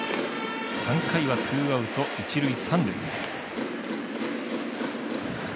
３回はツーアウト、一塁、三塁。